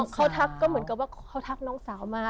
เขาทักก็เหมือนกับว่าเขาทักน้องสาวมา